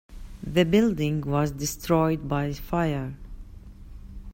The building was destroyed by fire.